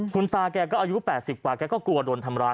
คุณตาแกก็อายุ๘๐กว่าแกก็กลัวโดนทำร้าย